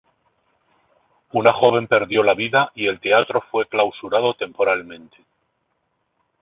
Una joven perdió la vida y el teatro fue clausurado temporalmente.